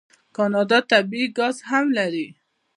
کاناډا طبیعي ګاز هم لري.